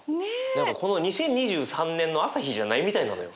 何かこの２０２３年の朝日じゃないみたいなのよ。